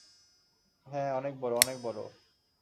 হ্যাঁ, অনেক বড়, অনেক বড়।